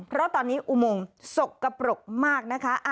เพราะตอนนี้อุโมงสกปรกมากนะคะ